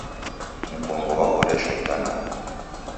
Mkongo wahoresha itanaha.